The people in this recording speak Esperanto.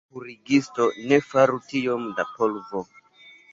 La purigisto ne faru tiom da polvo!